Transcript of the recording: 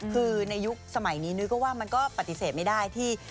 คือในยุคสมัยนี้นุ้ยก็ว่ามันก็ปฏิเสธไม่ได้ที่